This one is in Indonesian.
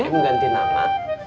ini mau ganti nama